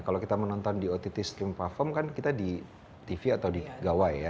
kalau kita menonton di ott stream platform kan kita di tv atau di gawai ya